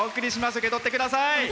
受け取ってください。